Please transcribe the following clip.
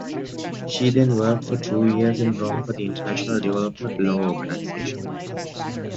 She then worked for two years in Rome for the International Development Law Organization.